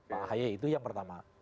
pak ahy itu yang pertama